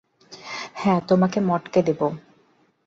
হ্যাঁ, তোমাকে মটকে দেবো?